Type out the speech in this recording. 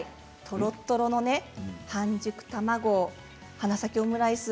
とろとろの半熟卵花咲きオムライス